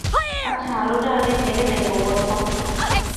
আচ্ছা, আলোটা আগে জেলে নে গোবর্ধন।